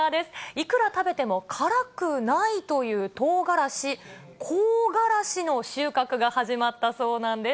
いくら食べても辛くないというトウガラシ、香辛子の収穫が始まったそうなんです。